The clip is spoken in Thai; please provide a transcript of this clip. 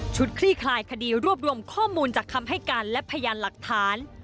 คลี่คลายคดีรวบรวมข้อมูลจากคำให้การและพยานหลักฐาน